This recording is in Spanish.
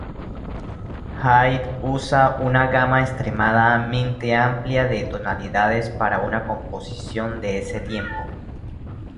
Haydn usa una gama extremadamente amplia de tonalidades para una composición de ese tiempo.